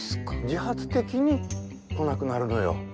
自発的に来なくなるのよ。